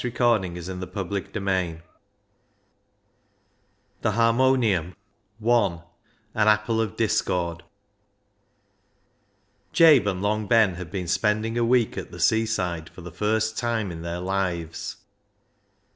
The Harmonium I An Apple of Discord 21 The Harmonium I An Apple of Discord Jabe and Long Ben had been spending a week at the seaside for the first time in their Hves.